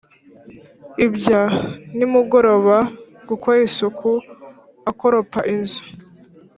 ibya nimugoroba, gukora isuku akoropa inzu,